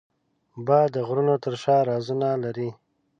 باد د غرونو تر شا رازونه لري